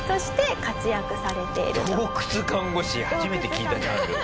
初めて聞いたジャンル。